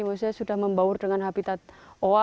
maksudnya sudah membaur dengan habitat oa